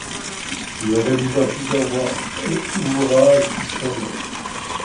Il rédigea plusieurs ouvrages historiques.